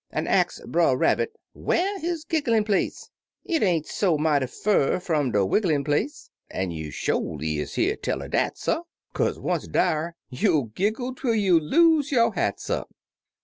An' ax Brer Rabbit whar his gigglin' place — "It ain't so mighty fur fum de wigglin' place, An' you sholy is hear tell er dat, suh, Kaze, once dar, you'll giggle twel you lose yo' hat, suh.